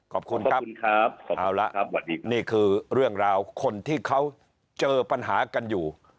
ขอบคุณครับขอบคุณครับขอบคุณครับวันนี้นี่คือเรื่องราวคนที่เขาเจอปัญหากันอยู่